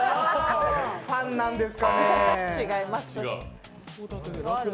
ファンなんですかね？